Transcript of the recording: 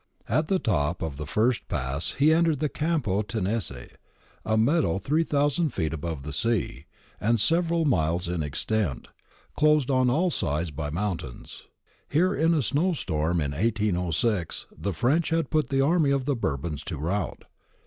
At the top of the first pass he entered the Campo Tenese, a meadow 3000 feet above the sea, and several miles in extent, enclosed on all sides by mountains. Here in a snowstorm in 1806 the French had put the army of the Bourbons to rout.